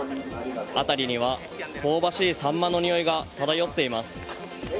辺りには香ばしいサンマの匂いが漂っています。